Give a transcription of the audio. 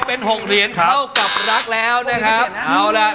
เป็น๖เหรียญเข้ากับรักแล้วนะครับ